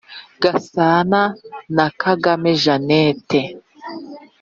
Gasana na Kagame Jeannette.